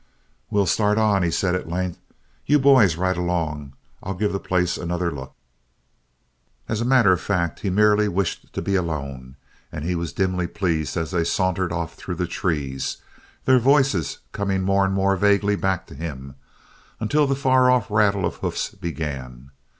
"We'll start on," he said at length. "You boys ride along. I'll give the place another look." As a matter of fact, he merely wished to be alone, and he was dimly pleased as they sauntered off through the trees, their voices coming more and more vaguely back to him, until the far off rattle of hoofs began.